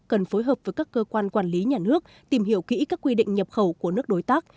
cần phối hợp với các cơ quan quản lý nhà nước tìm hiểu kỹ các quy định nhập khẩu của nước đối tác